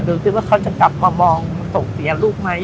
ดูรู้กันแล้วเขากลับมามองไปสกเสียลูกไหม